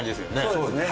そうですね。